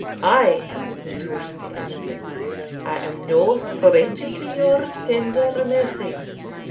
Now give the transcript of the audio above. "Ay," retorted the Amazon, "I am no stranger to your tender mercies.